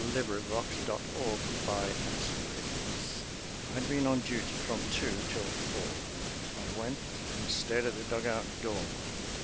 STAND TO: GOOD FRIDAY MORNING I'd been on duty from two till four. I went and stared at the dug out door.